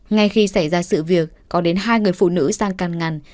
ngay khi xảy ra sự việc có đến hai người phụ nữ sang càn ngăn